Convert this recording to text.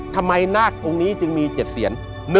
ทำไมนาคองค์นี้จึงมี๗เสียร